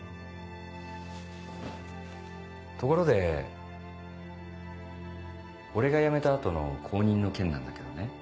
ところで俺が辞めた後の後任の件なんだけどね。